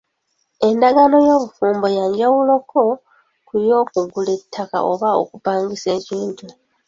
Endagaano y’obufumbo ya njawuloko ku y’okugula ettaka oba okupangisa ekintu.,